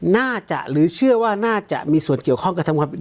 น่าจะหรือเชื่อว่าน่าจะมีส่วนเกี่ยวข้องกระทำความผิด